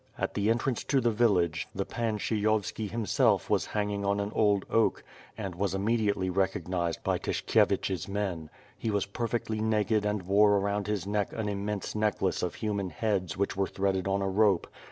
At the entrance to the village, the Pan Stshyjovski himself was hanging on an oak, and was immediately recog nized by Tyshkievich's men. He was perfectly naked and wore around his neck an immense necklace of human heads which were threaded on a rope.